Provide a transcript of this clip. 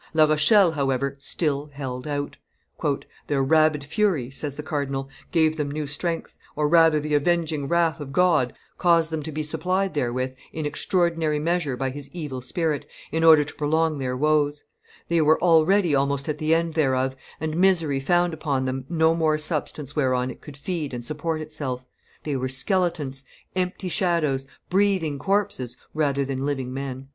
La Rochelle, however, still held out. "Their rabid fury," says the cardinal, "gave them new strength, or rather the avenging wrath of God caused them to be supplied therewith in extraordinary measure by his evil spirit, in order to prolong their woes; they were already almost at the end thereof, and misery found upon them no more substance whereon it could feed and support itself; they were skeletons, empty shadows, breathing corpses, rather than living men."